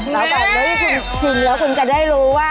แล้วก็แบบเมื่อที่คุณชิมแล้วคุณจะได้รู้ว่า